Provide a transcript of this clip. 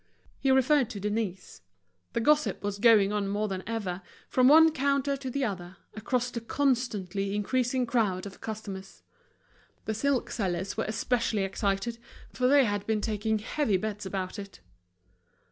He referred to Denise. The gossip was going on more than ever, from one counter to the other, across the constantly increasing crowd of customers. The silk sellers were especially excited, for they had been taking heavy bets about it.